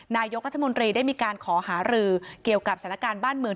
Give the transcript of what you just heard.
นายกรัฐมนตรีได้มีการขอหารือเกี่ยวกับสถานการณ์บ้านเมือง